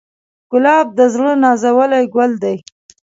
ګلاب د زړه نازولی ګل دی.